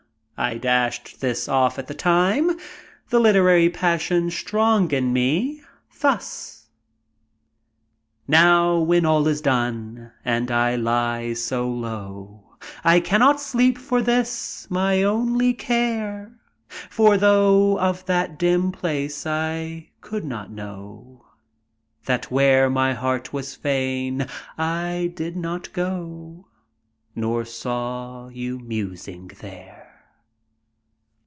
I dashed this off at the time, the literary passion strong in me, thus: "Now, when all is done, and I lie so low, I cannot sleep for this, my only care; For though of that dim place I could not know; That where my heart was fain I did not go, Nor saw you musing there!